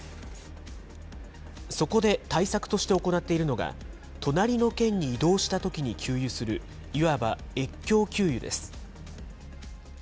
そこで対策として行っているのが、隣の県に移動したときに給油する、いわば越境給油です。